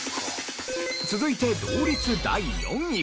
続いて同率第４位。